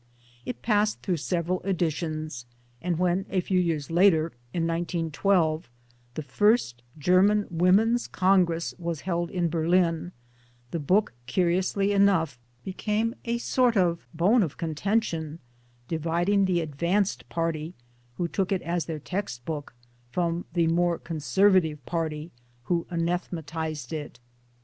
It passed through several editions, and when a few years later, in 1912, the first German Women's Congress was held in Berlin the book curiously enough became a sort of bone of contention, dividing the advanced party who took it as their text book, from the more conservative party who anathematized it.